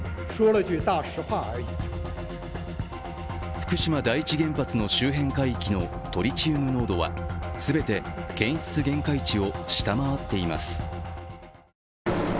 福島第一原発の周辺海域のトリチウム濃度は全て検出限界値を下回っています。